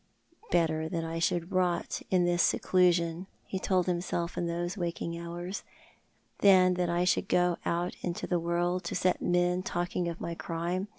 "Better that I should rot in this seclusion," he told himself in those waking hours, "than that I should go out into the world to set men talking of my crime.